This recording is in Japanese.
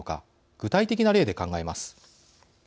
具体的な例で考えます。